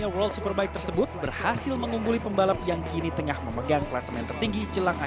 esok saya akan mencoba semula saya akan memberikan segalanya